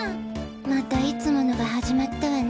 またいつものが始まったわね。